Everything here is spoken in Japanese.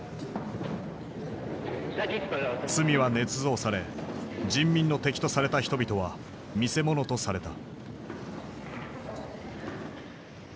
罪はねつ造され人民の敵とされた人々は見せ物とされた。